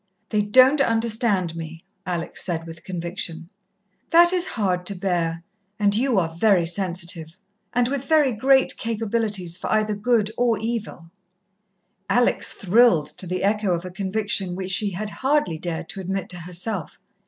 "They don't understand me," Alex said with conviction. "That is hard to bear. And you are very sensitive and with very great capabilities for either good or evil." Alex thrilled to the echo of a conviction which she had hardly dared to admit to herself.